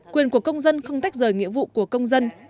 quyền của công dân không tách rời nghĩa vụ của công dân